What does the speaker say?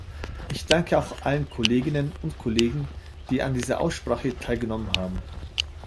Ich danke auch allen Kolleginnen und Kollegen, die an dieser Aussprache teilgenommen haben.